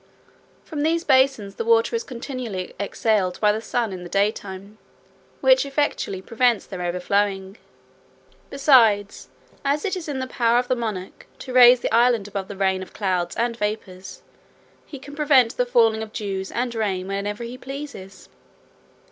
From these basins the water is continually exhaled by the sun in the daytime, which effectually prevents their overflowing. Besides, as it is in the power of the monarch to raise the island above the region of clouds and vapours, he can prevent the falling of dews and rain whenever he pleases.